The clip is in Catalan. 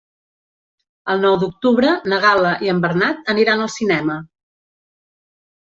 El nou d'octubre na Gal·la i en Bernat aniran al cinema.